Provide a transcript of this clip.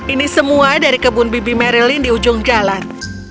ini semua dari kebun bibi marilin di ujung jalan